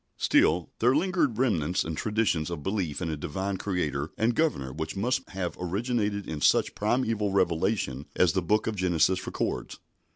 Still, there lingered remnants and traditions of belief in a Divine Creator and Governor which must have originated in such a primeval revelation as the book of Genesis records.